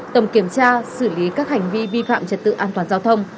tổng kiểm tra xử lý các hành vi vi phạm trật tự an toàn giao thông